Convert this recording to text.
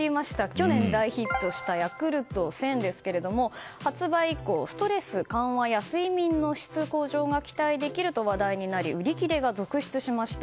去年大ヒットしたヤクルト１０００ですが発売以降、ストレス緩和や睡眠の質向上が期待できると話題になり売り切れが続出しました。